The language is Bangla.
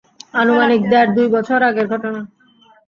আনুমানিক দেড়-দুই বছর আগের ঘটনা।